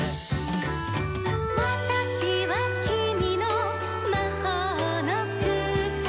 「『わたしはきみのまほうのくつ』」